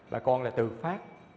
bà con là từ phát